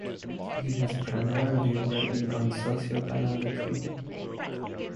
He has primarily written on sociobiology.